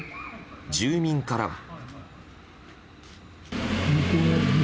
住民からは。